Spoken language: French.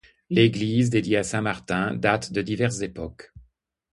L’église, dédiée à saint Martin, date de diverses époques.